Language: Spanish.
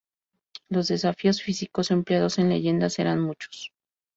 Los desafíos físicos empleados en "leyendas" eran muchos.